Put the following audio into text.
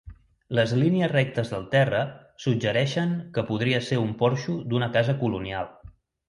Les línies rectes del terra suggereixen que podria ser un porxo d'una casa colonial.